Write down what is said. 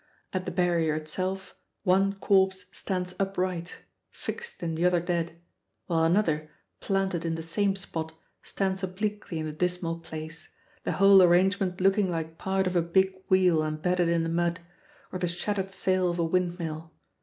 At the barrier itself, one corpse stands upright, fixed in the other dead, while another, planted in the same spot, stands obliquely in the dismal place, the whole arrangement looking like part of a big wheel embedded in the mud, or the shattered sail of a windmill.